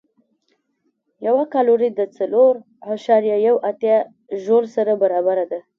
یوه کالوري د څلور اعشاریه یو اتیا ژول سره برابره ده.